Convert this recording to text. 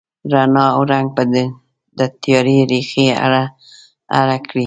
رڼا او رنګ به د تیارې ریښې اره، اره کړي